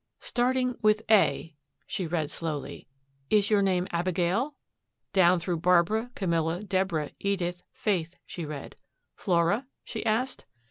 Starting with "A," she read slowly. "Is your name Abigail?" Down through Barbara, Camilla, Deborah, Edith, Faith, she read. "Flora?" she asked.